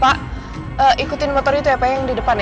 pak ikutin motor itu ya pak yang di depan ya